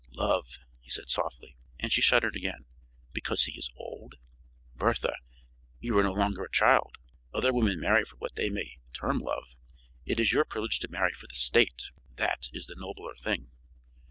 "Love!" he said softly, and she shuddered again. "Because he is old? Bertha, you are no longer a child. Other women marry for what they may term love. It is your privilege to marry for the State. That is the nobler thing."